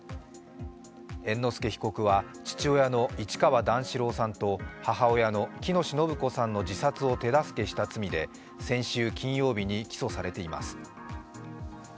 猿之助被告は父親の市川段四郎さんと母親の喜熨斗延子さんの自殺を手助けした罪で先週金曜日に起訴されています。